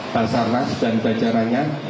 basarnas dan beceranya